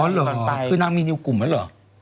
อ๋อเหรอคือนางมีนอยู่กลุ่มนั้นหรอ